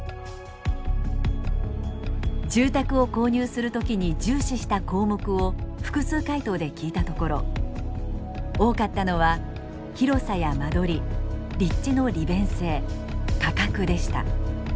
住宅を購入する時に重視した項目を複数回答で聞いたところ多かったのは広さや間取り立地の利便性価格でした。